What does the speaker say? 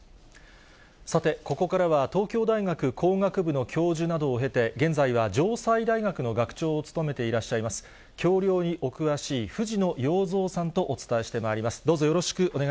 さて、ここからは、東京大学工学部の教授などを経て、現在は城西大学の学長を務めていらっしゃいます、橋りょうにお詳しい藤野陽三さんとお伝えしてまいります。